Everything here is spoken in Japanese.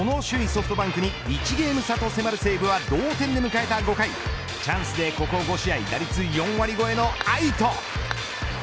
ソフトバンクに１ゲーム差と迫る西武は同点で迎えた５回チャンスでここ５試合打率４割超えへの愛斗。